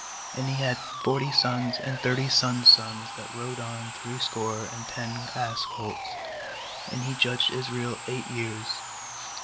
14And he had forty sons and thirty sons' sons, that rode on threescore and ten ass colts; and he judged Israel eight years.